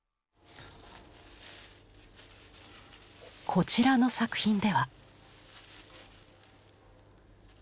こちらの作品では。